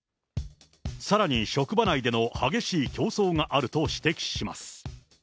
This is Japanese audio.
さらに、職場内での激しい競争があると指摘します。